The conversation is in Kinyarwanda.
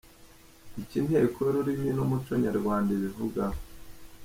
Icyo Inteko y’ururimi n’umuco nyarwanda ibivugaho.